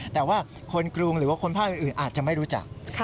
แต่ว่าคนกรุงหรือว่าคนภาคอื่นอาจจะไม่รู้จัก